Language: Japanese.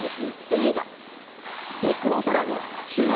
映画『でくの空』の主演